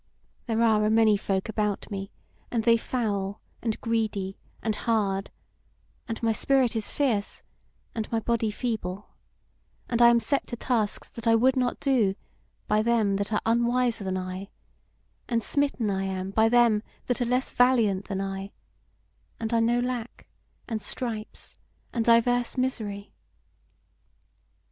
There are a many folk about me, and they foul, and greedy, and hard; and my spirit is fierce, and my body feeble; and I am set to tasks that I would not do, by them that are unwiser than I; and smitten I am by them that are less valiant than I; and I know lack, and stripes, and divers misery.